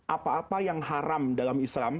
apa apa yang haram dalam islam